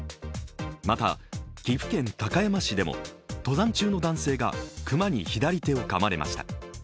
また岐阜県高山市でも登山中の男性が熊に左手をかまれました。